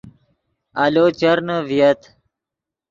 آلو چرنے ڤییت